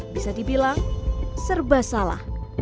bisa dibilang serba salah